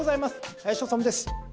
林修です。